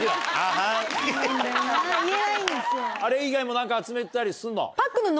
あれ以外も何か集めてたりするの？